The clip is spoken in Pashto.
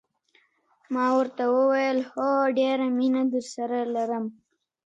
ما ورته وویل: هو، ډېره مینه درسره لرم.